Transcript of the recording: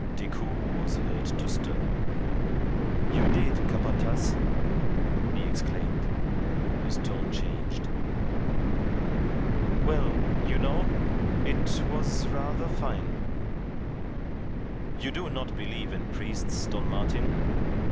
..." Decoud was heard to stir. "You did, Capataz!" he exclaimed. His tone changed. "Well, you know it was rather fine." "You do not believe in priests, Don Martin?